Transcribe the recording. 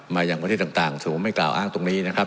อย่างประเทศต่างสมมุติไม่กล่าวอ้างตรงนี้นะครับ